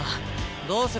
どうする？